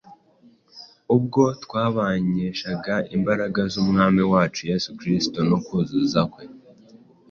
ubwo twabamenyeshaga imbaraga z’Umwami wacu Yesu Kristo no kuzaza kwe;